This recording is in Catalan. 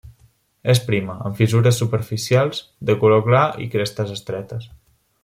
És prima, amb fissures superficials, de color clar i crestes estretes.